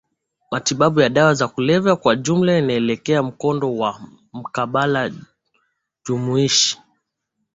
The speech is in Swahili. matibabu ya dawa za kulevya kwa ujumla inaelekea mkondo wa mkabala jumuishi